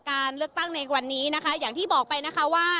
การเลือกตั้งในวันนี้นะคะอย่างที่บอกไปนะคะว่า